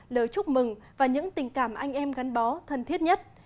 lời chúc mừng và những tình cảm anh em gắn bó thân thiết nhất